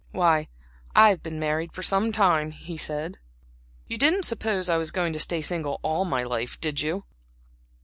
"Why, I've been married some time," he said. "You didn't suppose I was going to stay single all my life, did you?"